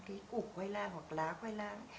cái củ khoai lang hoặc lá khoai lang